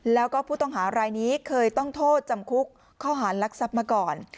แล้วก็ผู้ต้องหารายนี้เคยต้องโทษจำคุกข้อหารลักทรัพย์มาก่อน